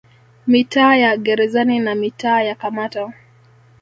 Mitaa ya Gerezani na mitaa ya Kamata